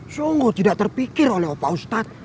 sungguh tidak terpikir oleh opa ustad